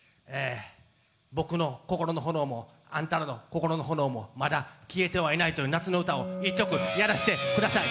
僕の心の炎も、あんたらの心の炎も、まだ消えてはいないという夏の歌を１曲やらせてください。